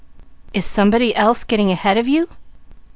"Is somebody else getting ahead of you?"